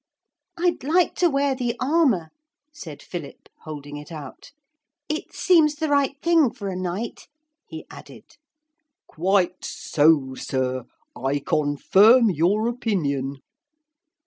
'I'd like to wear the armour,' said Philip, holding it out. 'It seems the right thing for a Knight,' he added. 'Quite so, sir. I confirm your opinion.'